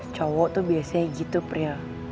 cowok tuh biasanya gitu prill